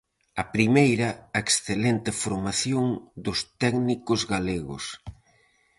A primeira, a excelente formación dos técnicos galegos.